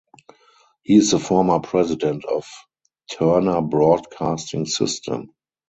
He is the former president of Turner Broadcasting System.